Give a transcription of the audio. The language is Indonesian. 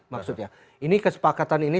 maksudnya ini kesepakatan ini